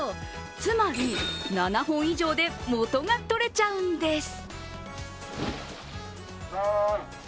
つまり７本以上で元が取れちゃうんです。